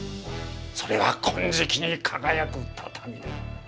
それは金色に輝く畳だ。